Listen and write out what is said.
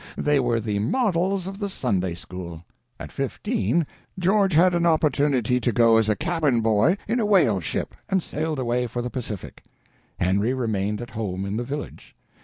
They were the models of the Sunday—school. At fifteen George had the opportunity to go as cabin boy in a whale ship, and sailed away for the Pacific. Henry remained at home in the village.